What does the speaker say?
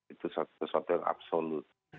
itu sesuatu yang absolut